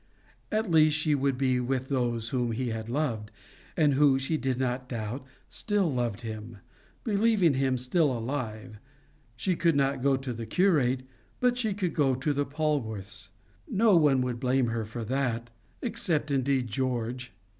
At least she would be with those whom he had loved, and who, she did not doubt, still loved him, believing him still alive. She could not go to the curate, but she could go to the Polwarths; no one would blame her for that except indeed George.